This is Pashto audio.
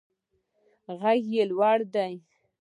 غږ یې لوړ دی.